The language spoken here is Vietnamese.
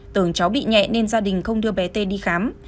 tưởng cháu bị nhẹ nên gia đình không đưa bé tê đi khám